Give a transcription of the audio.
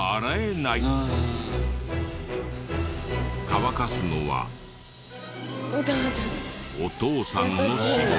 乾かすのはお父さんの仕事。